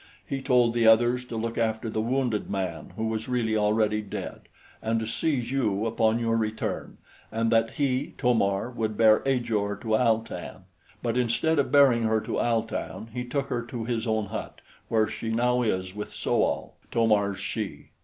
He told the others to look after the wounded man, who was really already dead, and to seize you upon your return, and that he, To mar, would bear Ajor to Al tan; but instead of bearing her to Al tan, he took her to his own hut, where she now is with So al, To mar's she.